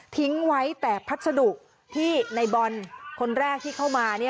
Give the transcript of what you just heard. ทิ้งไว้แต่พัสดุที่ในบอลคนแรกที่เข้ามา